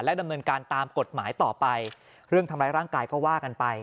ดำเนินการตามกฎหมายต่อไปเรื่องทำร้ายร่างกายก็ว่ากันไป